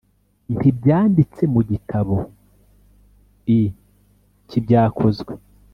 Ntibyanditse mu gitabo l cy ibyakozwe